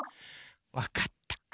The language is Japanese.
わかった。